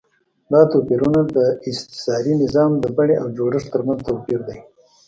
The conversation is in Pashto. دا توپیرونه د استثاري نظام د بڼې او جوړښت ترمنځ توپیر دی.